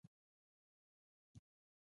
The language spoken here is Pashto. خوشحال خان خټک د توری او ميړانې سړی وه.